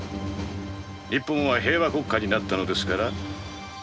日本は平和国家になったのですから。